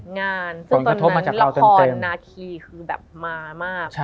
งานซึ่งตอนนั้นละครนาคีคือแบบมามาก